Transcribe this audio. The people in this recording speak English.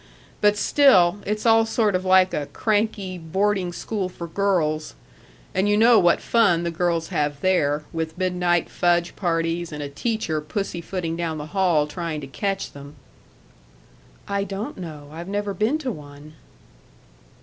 But still, it's all sort of like a cranky boarding school for girls and you know what fun the girls have there, with midnight fudge parties and a teacher pussy footing down the hall trying to catch them." "I don't know. I've never been to one."